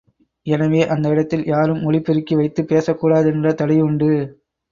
எனவே, அந்த இடத்தில், யாரும் ஒலி பெருக்கி வைத்துப் பேசக் கூடா தென்ற தடையுண்டு.